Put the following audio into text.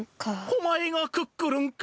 ・おまえがクックルンか？